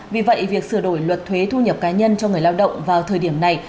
vì vậy việc sửa đổi luật thuế thu nhập cá nhân cho người lao động vào thời điểm này